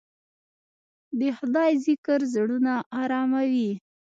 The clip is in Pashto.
د خدای ذکر زړونه اراموي.